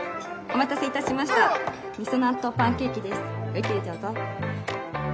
ゆっくりどうぞ。